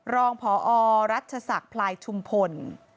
รองพอรัชศักดิ์พลายชุมพล